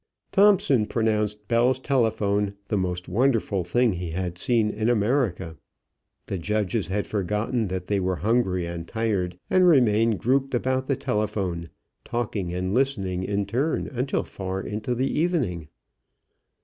Thomson pronounced Bell's telephone "the most wonderful thing he had seen in America." The judges had forgotten that they were hungry and tired, and remained grouped about the telephone, talking and listening in turn until far into the evening.